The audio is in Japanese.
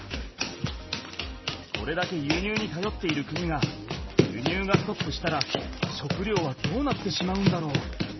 これだけ輸入にたよっている国が輸入がストップしたら食料はどうなってしまうんだろう？